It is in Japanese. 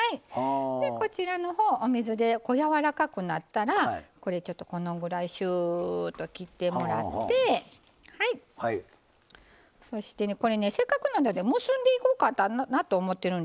こちらのほうお水でやわらかくなったらこれちょっとこのぐらいシューッと切ってもらってそしてこれねせっかくなので結んでいこうかなと思ってるんですわ。